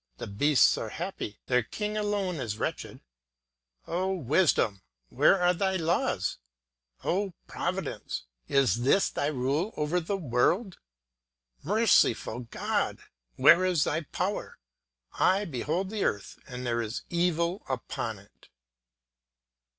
The beasts are happy; their king alone is wretched. O Wisdom, where are thy laws? O Providence, is this thy rule over the world? Merciful God, where is thy Power? I behold the earth, and there is evil upon it.